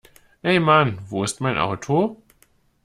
Ey Mann, wo ist mein Auto?